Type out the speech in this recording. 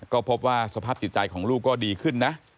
ก็พบว่าสภาพจิตใจของลูกก็ดีขึ้นนะ